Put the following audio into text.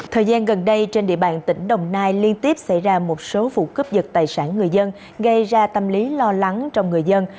thời gian gần đây trên địa bàn tỉnh đồng nai liên tiếp xảy ra một số vụ cướp dật tài sản người dân gây ra tâm lý lo lắng trong người dân